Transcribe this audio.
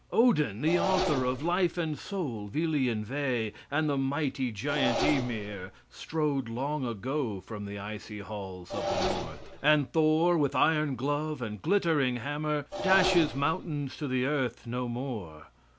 Odin, the author of life and soul, Vili and Ve, and the mighty giant Ymir, strode long ago from the icy halls of the North; and Thor, with iron glove and glittering hammer, dashes mountains to the earth no more.